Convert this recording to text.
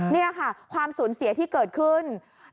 นี่ค่ะความสูญเสียที่เกิดขึ้น